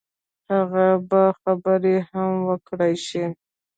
هغه به خبرې هم وکړای شي.